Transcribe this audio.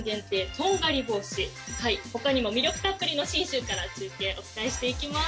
とんがり帽子はい他にも魅力たっぷりの信州から中継お伝えしていきます